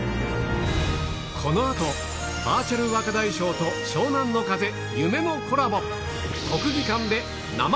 このあと、バーチャル若大将と湘南乃風、夢のコラボ。